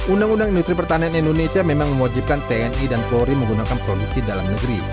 undang undang industri pertahanan indonesia memang mewajibkan tni dan polri menggunakan produksi dalam negeri